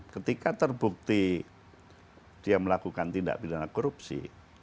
ketika terbukti dia melakukan tindak pidana korupsi